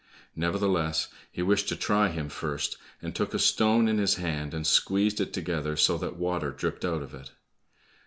Nevertheless, he wished to try him first, and took a stone in his hand and squeezed it together so that water dropped out of it.